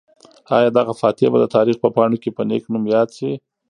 آیا دغه فاتح به د تاریخ په پاڼو کې په نېک نوم یاد شي؟